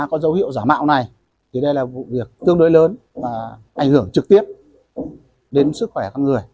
có dấu hiệu giả mạo này thì đây là vụ việc tương đối lớn và ảnh hưởng trực tiếp đến sức khỏe con người